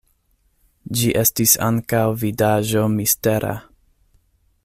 Ĝi estis ankaŭ vidaĵo mistera.